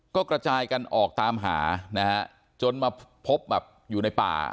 ก็กระจายกันออกตามหานะฮะจนมาพบแบบอยู่ในป่า